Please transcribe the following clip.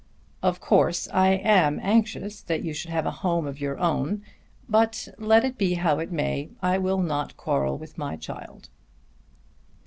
"Of course I am anxious that you should have a home of your own; but let it be how it may I will not quarrel with my child."